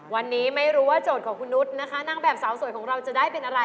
วันนี้ไม่รู้ว่าโจทย์ของคุณนุษย์นะคะนางแบบสาวสวยของเราจะได้เป็นอะไร